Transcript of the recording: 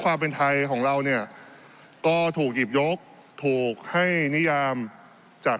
ความเป็นไทยของเราเนี่ยก็ถูกหยิบยกถูกให้นิยามจัด